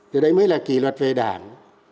điều đấy mới là kỷ luật về đảng